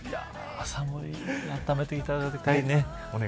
寒い温めていただきたいね。